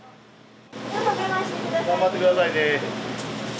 頑張ってくださいね。